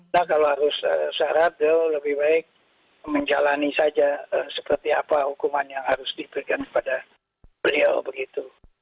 nah kalau harus syarat beliau lebih baik menjalani saja seperti apa hukuman yang harus diberikan kepada beliau begitu